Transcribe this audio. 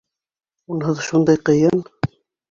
Унһыҙ шундай ҡыйын...